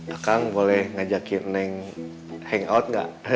akang boleh ngajakin neng hangout gak